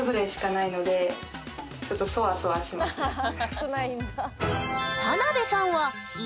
少ないんだ。